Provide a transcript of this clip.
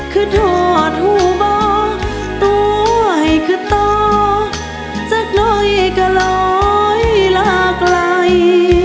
ขึ้นถอดหูบ่ตัวให้ขึ้นต่อจากน้อยก็ร้อยลากไหล